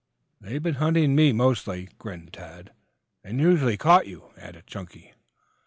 "They've been hunting me mostly," grinned Tad. "And usually caught you," added Chunky.